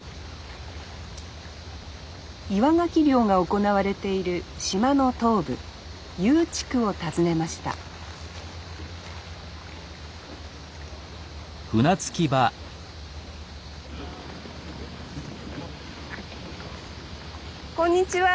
岩ガキ漁が行われている島の東部油宇地区を訪ねましたこんにちは。